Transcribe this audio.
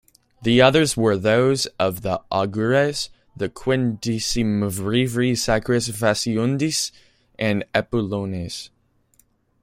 The others were those of the "augures", the "quindecimviri sacris faciundis", and the "epulones".